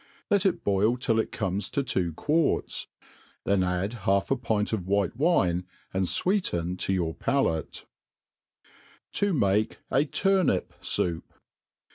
Lee it boil till it.comes to two quarts ; then add half a, pint of white wine, and fweeten to your palate« To make a Tumip'Soup*